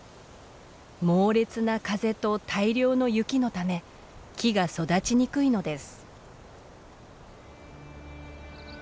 猛烈な風と大量の雪のため木が育ちにくいのです。